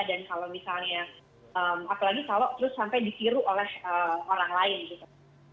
dan kalau misalnya apalagi kalau terus sampai disiru oleh orang lain gitu